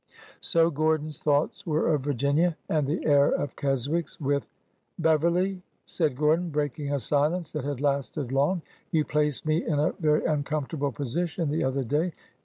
So Gordon's thoughts were of Virginia, and the heir of Keswick's with —" Beverly," said Gordon, breaking a silence that had lasted long, " you placed me in a very uncomfortable po sition the other day.